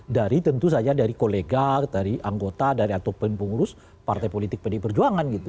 dari tentu saja dari kolega dari anggota dari ataupun pengurus partai politik pdi perjuangan gitu